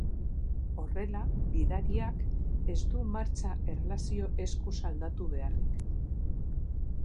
Horrela, gidariak ez du martxa erlazioa eskuz aldatu beharrik.